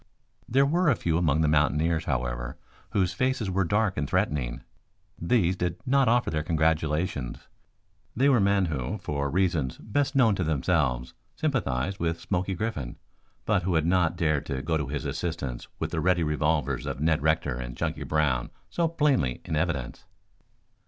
There were a few among the mountaineers, however, whose faces were dark and threatening. These did not offer their congratulations. They were men who, for reasons best known to themselves, sympathized with Smoky Griffin, but who had not dared to go to his assistance with the ready revolvers of Ned Rector and Chunky Brown so plainly in evidence.